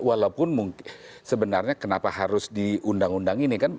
walaupun mungkin sebenarnya kenapa harus diundang undang ini kan